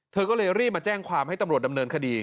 เธอก็เลยรีบมาแจ้งความให้ตำรวจดำเนินคดี